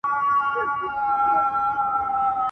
ورونه دي بند وي د مکتبونو !.